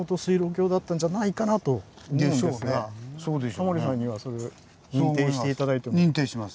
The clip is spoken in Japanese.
タモリさんにはそれを認定して頂いても。